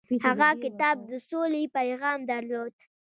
هغه کتاب د سولې پیغام درلود.